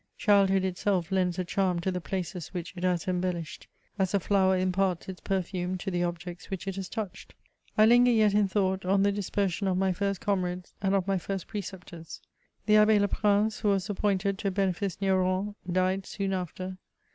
Childhood itself lends a charm to the places which it has embellished, as a flower imparts its perfume to the objects whidi it has touched. I linger yet, in thought, on the disper sion of my first comrades, and of my first preceptors. The Abb^ Leprinoe, who was appointed to a benefice near Rouen, died soon, after.